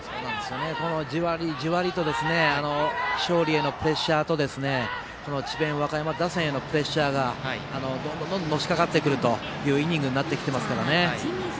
じわりじわりと勝利へのプレッシャーと智弁和歌山打線へのプレッシャーがどんどんのしかかってくるというイニングになってきてますからね。